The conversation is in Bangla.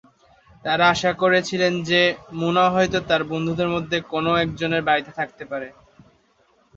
তারা আশা করেছিলেন যে, মোনা হয়তো তার বন্ধুদের মধ্যে কোনও একজনের বাড়িতে থাকতে পারে।